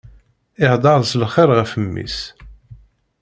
Ihedder s lxir ɣef mmi-s.